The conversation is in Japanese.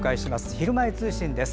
「ひるまえ通信」です。